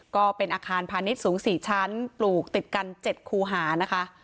ก็เป็นอาคารพาณิชย์สูง๔ชั้นปลูกติดกัน๗คูหานะคะ